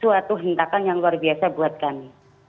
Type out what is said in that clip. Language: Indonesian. suatu hentakan yang luar biasa buat kami